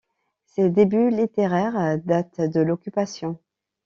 Ses débuts littéraires datent de l'Occupation.